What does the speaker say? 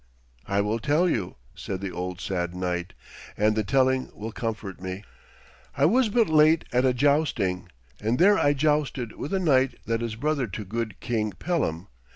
'I will tell you,' said the old sad knight, 'and the telling will comfort me. I was but late at a jousting, and there I jousted with a knight that is brother to good King Pellam.